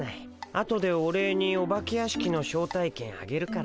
あとでお礼にお化け屋敷の招待券あげるからさハハッ。